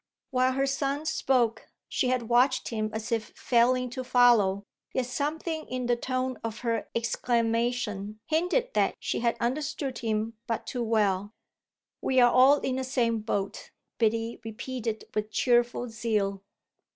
While her son spoke she had watched him as if failing to follow; yet something in the tone of her exclamation hinted that she had understood him but too well. "We're all in the same boat," Biddy repeated with cheerful zeal.